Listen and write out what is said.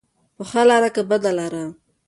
په ښه لاره که بده لاره.